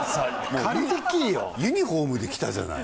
もうユニフォームで来たじゃない。